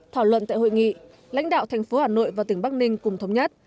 thảo luận tại hội nghị lãnh đạo thành phố hà nội và tỉnh bắc ninh cùng thống nhất